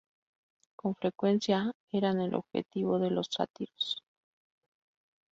Con frecuencia eran el objetivo de los sátiros.